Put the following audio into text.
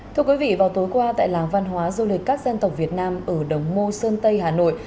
thưa quý vị vào tối qua tại làng văn hóa du lịch các dân tộc việt nam ở đồng mô sơn tây hà nội